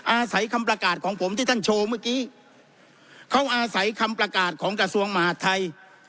อาศัยคำประกาศของผมที่ท่านโชว์เมื่อกี้เขาอาศัยคำประกาศของกระทรวงมหาดไทย